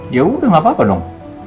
ya udah gak apa apa dong